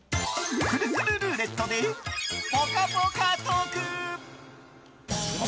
くるくるルーレットでぽかぽかトーク！